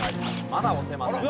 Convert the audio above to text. まだ押せません。